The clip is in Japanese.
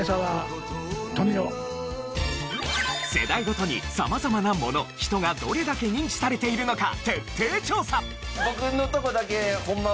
世代ごとに様々なもの人がどれだけ認知されているのか徹底調査。